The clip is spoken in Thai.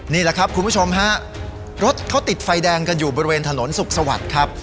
นี่แหละครับคุณผู้ชมฮะรถเขาติดไฟแดงกันอยู่บริเวณถนนสุขสวัสดิ์ครับ